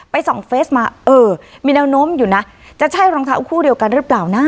ส่องเฟสมาเออมีแนวโน้มอยู่นะจะใช่รองเท้าคู่เดียวกันหรือเปล่านะ